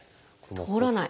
通らない。